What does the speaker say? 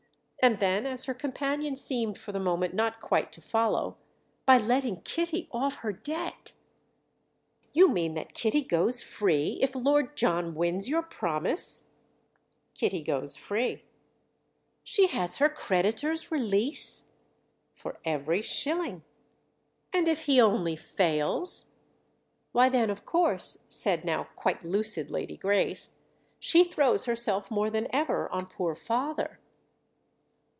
And then as her companion seemed for the moment not quite to follow: "By letting Kitty off her debt." "You mean that Kitty goes free if Lord John wins your promise?" "Kitty goes free." "She has her creditor's release?" "For every shilling." "And if he only fails?" "Why then of course," said now quite lucid Lady Grace, "she throws herself more than ever on poor father."